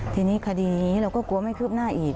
ทีนี้คดีนี้เราก็กลัวไม่คืบหน้าอีก